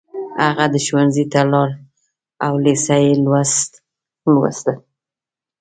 هغه ښوونځي ته لاړ او لېسه يې ولوسته